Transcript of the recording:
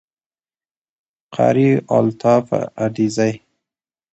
Qari Altaf Adezai